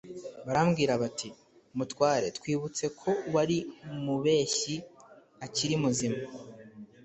baramubwira bati : "Mutware twibutse ko wa mubeshyi akiri muzima